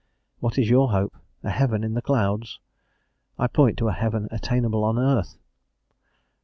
What is your hope? A heaven in the clouds. I point to a heaven attainable on earth.